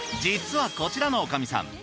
実はこちらの女将さん